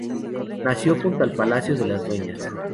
Nació junto al Palacio de las Dueñas.